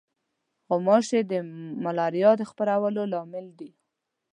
غوماشې د ملاریا د خپرولو لامل دي.